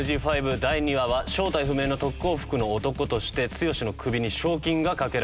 第２話は正体不明な特攻服の男として剛の首に賞金が懸けられます。